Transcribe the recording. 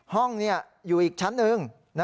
ห้องอยู่อีกชั้นหนึ่ง